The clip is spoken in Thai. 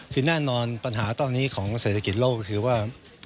คือแน่นอนปัญหาตอนนี้ของเศรษฐกิจโลกก็คือว่า